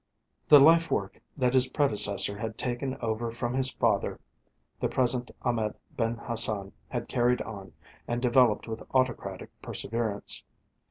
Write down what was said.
The life work that his predecessor had taken over from his father the present Ahmed Ben Hassan had carried on and developed with autocratic perseverance.